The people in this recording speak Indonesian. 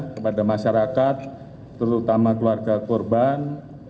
kepada masyarakat terutama keluarga korban